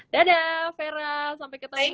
dadah vera sampai ketemu